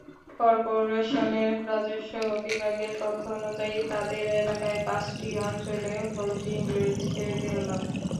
করপোরেশনের রাজস্ব বিভাগের তথ্য অনুযায়ী, তাদের এলাকায় পাঁচটি অঞ্চলে হোল্ডিং রয়েছে দেড় লাখ।